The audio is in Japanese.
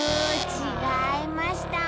ちがいました。